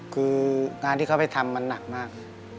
คืองานที่เขาไปทำมันหนักมาก